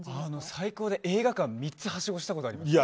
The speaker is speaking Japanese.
最高で映画館３つはしごしたことあります。